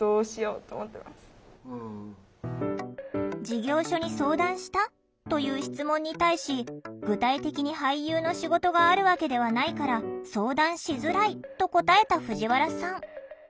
「事業所に相談した？」という質問に対し「具体的に俳優の仕事があるわけではないから相談しづらい」と答えた藤原さん。